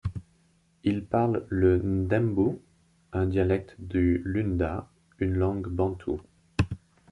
Ils parlent le ndembu, un dialecte du lunda, une langue bantoue.